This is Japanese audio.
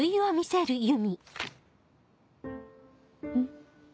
ん？